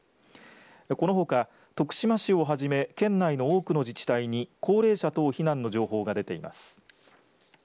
このほか徳島市をはじめ県内の多くの自治体に高齢者等避難の情報が出ています。